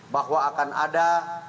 bahwa akan ada